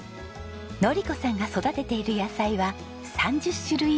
典子さんが育てている野菜は３０種類以上！